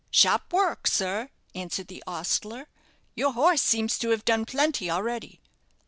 "Sharp work, sir," answered the ostler. "Your horse seems to have done plenty already."